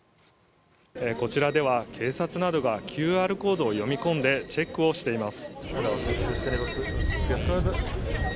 こちらでは警察などがＱＲコードを読み込んでチェックをしています。